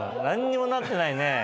何にもなってないね。